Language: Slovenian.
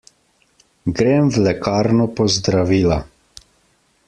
Grem v lekarno po zdravila.